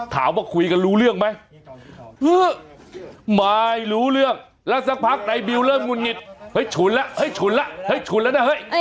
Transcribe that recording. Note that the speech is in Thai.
ถามว่าคุยกันรู้เรื่องไหมไม่รู้เรื่องแล้วสักพักนายบิวเริ่มงุดหงิดเฮ้ยฉุนแล้วเฮ้ยฉุนแล้วเฮ้ยฉุนแล้วนะเฮ้ย